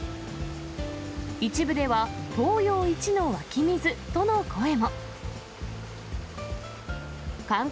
一部では、東洋一の湧き水との声も。